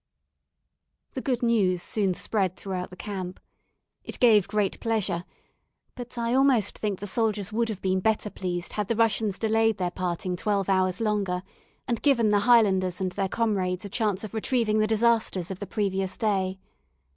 The good news soon spread through the camp. It gave great pleasure; but I almost think the soldiers would have been better pleased had the Russians delayed their parting twelve hours longer, and given the Highlanders and their comrades a chance of retrieving the disasters of the previous day.